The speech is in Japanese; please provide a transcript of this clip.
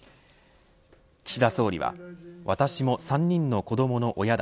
岸田総理は私も３人の子どもの親だ。